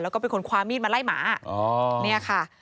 แล้วก็เป็นคนคว้ามีดมาไล่หมาเนี่ยค่ะ